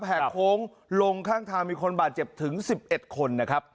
ห่างโค้งลงข้างทางมีคนบาดเจ็บถึง๑๑คน